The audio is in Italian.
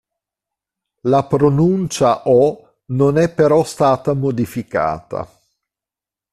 La pronuncia o non è però stata modificata.